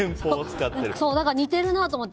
だから、似てるなと思って